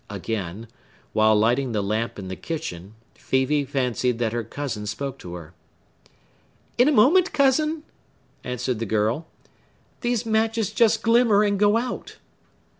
Again, while lighting the lamp in the kitchen, Phœbe fancied that her cousin spoke to her. "In a moment, cousin!" answered the girl. "These matches just glimmer, and go out."